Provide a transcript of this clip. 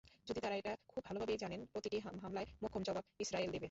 যদি তাঁরা এটা খুব ভালোভাবেই জানেন, প্রতিটি হামলার মোক্ষম জবাব ইসরায়েল দেবে।